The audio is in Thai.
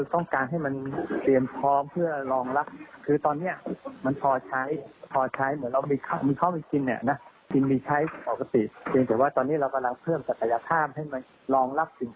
ต้องการให้มันเรียนพร้อมเพื่อรองรับ